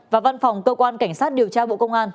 và văn phòng cơ quan cảnh sát điều tra bộ công an